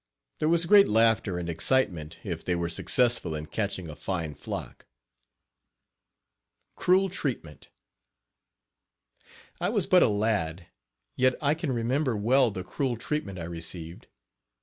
There was great laughter and excitement if they were successful in catching a fine flock. CRUEL TREATMENT. I was but a lad, yet I can remember well the cruel treatment I received.